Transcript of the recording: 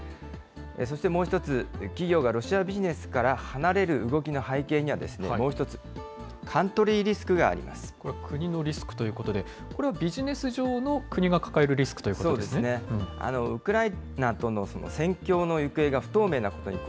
そしてもう一つ、企業がロシアビジネスから離れる動きの背景には、もう一つ、カントリーリスクがあこれ、国のリスクということで、これはビジネス上の国が抱えるリスクということですか。